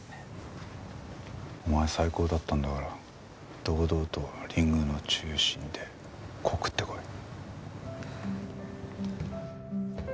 お前最高だったんだから堂々とリングの中心で告ってこい。